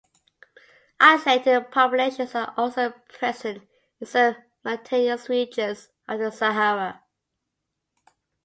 Isolated populations are also present in some mountainous regions of the Sahara.